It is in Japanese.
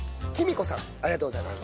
ありがとうございます。